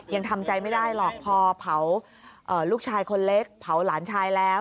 ยังทำใจไม่ได้หรอกพอเผาลูกชายคนเล็กเผาหลานชายแล้ว